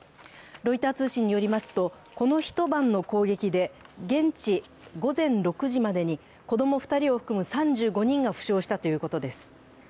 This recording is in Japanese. ロイター通信によりますと、この一晩の攻撃で現地午前６時までに子供２人を含む３５人が負傷したということです。